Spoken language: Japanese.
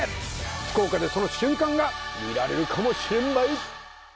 福岡でその瞬間が見られるかもしれんばい！